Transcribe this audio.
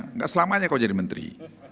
tidak selamanya kau jadi menteri